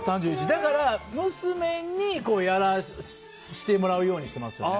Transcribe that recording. だから、娘にやらせてもらうようにしてますね。